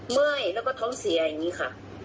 เมื่อยแล้วก็ท้องเสียอย่างนี้ค่ะ